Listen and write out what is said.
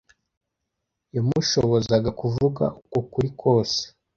yamushobozaga kuvuga uko kuri kose,